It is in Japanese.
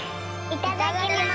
いただきます！